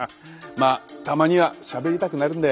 まあたまにはしゃべりたくなるんだよ。